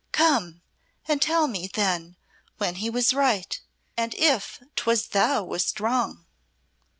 "Come and tell me then when he was right, and if 'twas thou wast wrong."